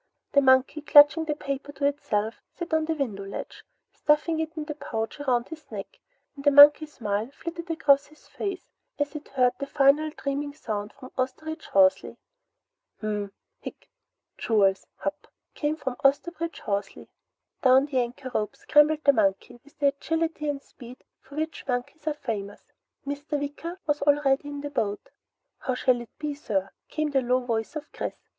The monkey, clutching the paper to itself, sat on the window ledge stuffing it into the pouch about its neck, and a monkey smile flitted across its face as it heard a final dreaming sound from Osterbridge Hawsey. "Hm mm. Hic! Jewels! Hup!" came from Osterbridge Hawsey. Down the anchor rope scrambled the monkey with the agility and speed for which monkeys are famous. Mr. Wicker was already in the boat. "How shall it be, sir?" came the low voice of Chris.